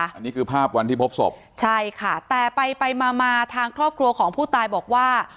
อันนี้คือภาพวันที่พบศพใช่ค่ะแต่ไปไปมามาทางครอบครัวของผู้ตายบอกว่า